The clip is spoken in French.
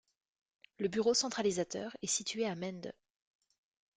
Le bureau centralisateur est situé à Mende.